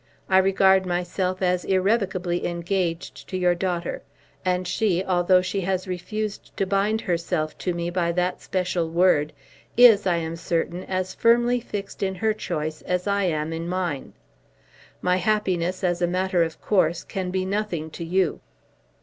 I regard myself as irrevocably engaged to your daughter; and she, although she has refused to bind herself to me by that special word, is, I am certain, as firmly fixed in her choice as I am in mine. My happiness, as a matter of course, can be nothing to you."